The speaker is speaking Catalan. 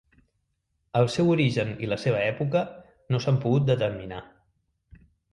El seu origen i la seva època no s'han pogut determinar.